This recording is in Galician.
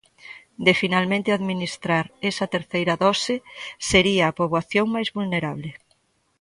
De finalmente administrar esa terceira dose sería a poboación máis vulnerable.